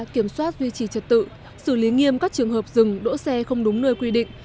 kiểm soát duy trì trật tự xử lý nghiêm các trường hợp dừng đỗ xe không đúng nơi quy định